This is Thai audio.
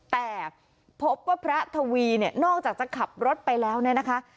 แต่พบว่าพระทวีเนี่ยนอกจากจะขับรถไปแล้วเนี่ยนะคะ